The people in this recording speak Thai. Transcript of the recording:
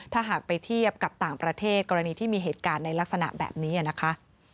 ถ้าหากไปเทียบกับต่างประเทศกรณีที่มีเหตุการณ์ในลักษณะแบบนี้นะคะ